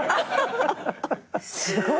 すごい所。